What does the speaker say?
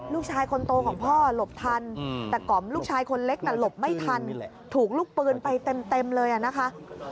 ลูกชายคนโตของพ่อหลบทันแต่ก๋อมลูกชายคนเล็กน่ะหลบไม่ทันถูกลูกปืนไปเต็มเลยนะคะ